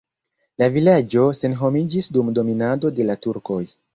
La vilaĝo senhomiĝis dum dominado de la turkoj.